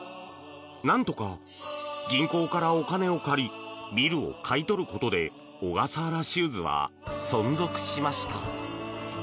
何とか銀行からお金を借りビルを買い取ることで小笠原シューズは存続しました。